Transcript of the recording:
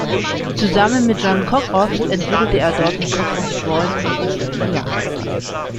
Zusammen mit John Cockcroft entwickelte er dort den Cockcroft-Walton-Beschleuniger.